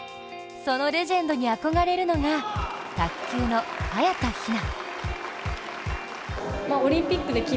そのレジェンドに憧れるのが、卓球の早田ひな。